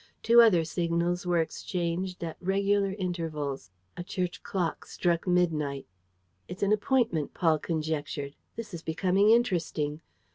Two other signals were exchanged at regular intervals. A church clock struck midnight. "It's an appointment," Paul conjectured. "This is becoming interesting.